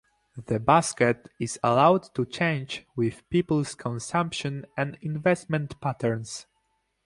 The basket is allowed to change with people's consumption and investment patterns.